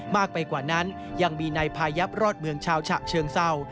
มากไปกว่านั้นยังมีนายพายับรอดเมืองชาวฉะเชิงเศร้า